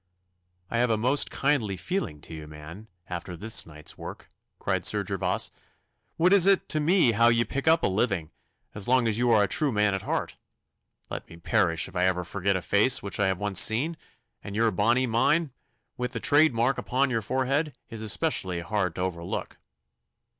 'I have a most kindly feeling to you, man, after this night's work,' cried Sir Gervas. 'What is it to me how ye pick up a living, as long as you are a true man at heart? Let me perish if I ever forget a face which I have once seen, and your bonne mine, with the trade mark upon your forehead, is especially hard to overlook.